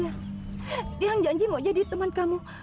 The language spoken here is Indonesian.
iya tiang janji mau jadi teman kamu